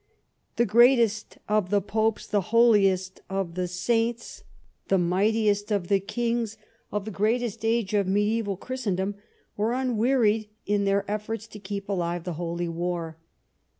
The greatest of the popes, the holiest of the saints, the 46 EDWARD I chap. mightiest of the kings of the greatest age of mediaeval Christendom were unwearied in their efforts to keep alive the holy war.